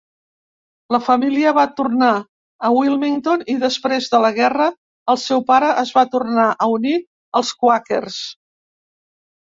La família va tornar a Wilmington i després de la guerra el seu pare es va tornar a unir als quàquers.